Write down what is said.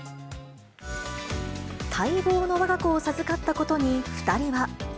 待望のわが子を授かったことに、２人は。